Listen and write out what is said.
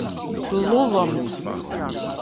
Telluẓemt.